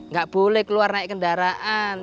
nggak boleh keluar naik kendaraan